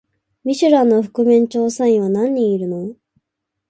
ミシュランの覆面調査員は何人いるの？